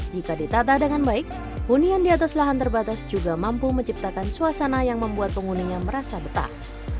jika ditata dengan baik hunian di atas lahan terbatas juga mampu menciptakan suasana yang membuat penghuninya merasa betah